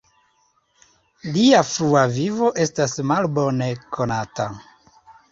Lia frua vivo estas malbone konata.